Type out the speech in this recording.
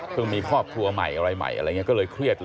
มีครอบครัวใหม่อะไรใหม่อะไรอย่างนี้ก็เลยเครียด